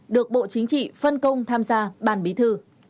được bộ chính trị phân công tham gia bàn bí thư